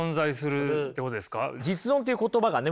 実存という言葉がね